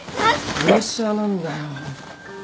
プレッシャーなんだよ。